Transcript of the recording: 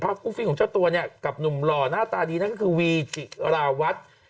คู่ฟี่ของเจ้าตัวเนี่ยกับหนุ่มหล่อหน้าตาดีนั่นก็คือวีจิราวัตร